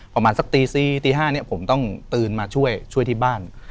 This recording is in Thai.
ประมาณสักตี๔ตี๕เนี่ยผมต้องตื่นมาช่วยช่วยที่บ้าน